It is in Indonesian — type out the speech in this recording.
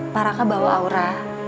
pak raka bawa aura